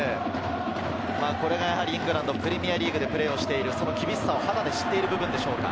これがイングランド・プレミアリーグでプレーをしている厳しさを肌で知っている部分でしょうか。